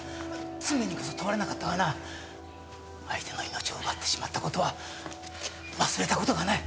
罪にこそ問われなかったがな相手の命を奪ってしまった事は忘れた事がない。